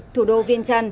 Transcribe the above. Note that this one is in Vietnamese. thủ đô viên trăn